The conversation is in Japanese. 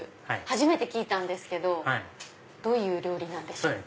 初めて聞いたんですけどどういう料理なんでしょう？